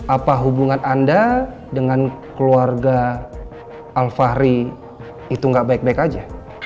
apa hubungan anda dengan keluarga alfahri itu gak baik baik aja